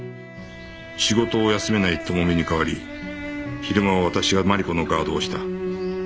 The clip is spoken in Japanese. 仕事を休めない知美に代わり昼間は私が真梨子のガードをした